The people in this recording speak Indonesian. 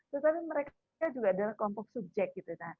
tetapi mereka juga adalah kelompok subjek gitu